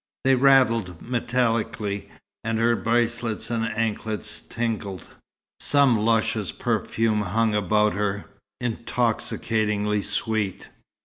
They rattled metallically, and her bracelets and anklets tinkled. Some luscious perfume hung about her, intoxicatingly sweet.